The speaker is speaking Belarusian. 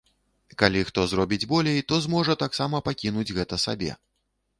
Калі хто заробіць болей, то зможа таксама пакінуць гэта сабе.